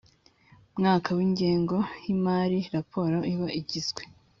mwaka w ingengo y imari Raporo iba igizwe